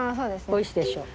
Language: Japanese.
おいしいでしょう。